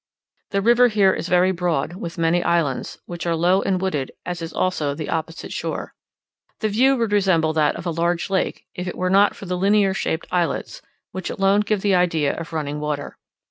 The river here is very broad, with many islands, which are low and wooded, as is also the opposite shore. The view would resemble that of a great lake, if it were not for the linear shaped islets, which alone give the idea of running water.